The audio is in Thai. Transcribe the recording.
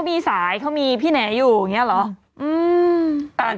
เมื่อกี้ใช่ไหม